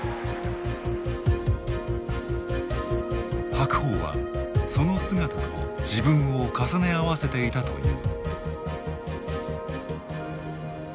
白鵬はその姿と自分を重ね合わせていたという。